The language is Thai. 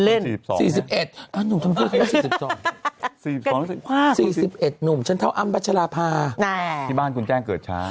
เล่น๔๑๔๑หนูฉันเท่าอัมปัชฌาพาที่บ้านคุณแจ้งเกิดช้า